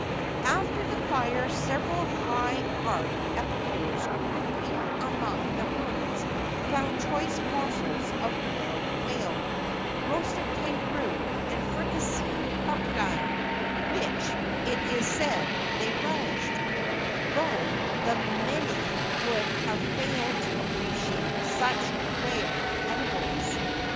After the fire several high art epicures grouping among the ruins found choice morsels of boiled whale, roasted kangaroo and fricasseed crocodile, which, it is said, they relished; though the many would have failed to appreciate such rare edibles.